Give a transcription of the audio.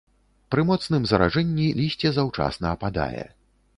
Пры моцным заражэнні лісце заўчасна ападае.